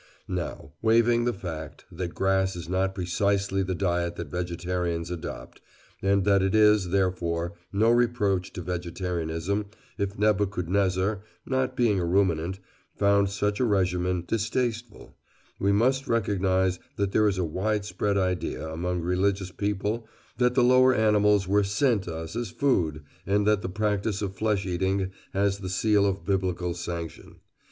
" Footnote 48: November 19, 1892. Now, waiving the fact that grass is not precisely the diet that vegetarians adopt, and that it is, therefore, no reproach to vegetarianism if Nebuchadnezzar, not being a ruminant, found such a regimen distasteful, we must recognise that there is a widespread idea among religious people that the lower animals were "sent" us as food, and that the practice of flesh eating has the seal of biblical sanction.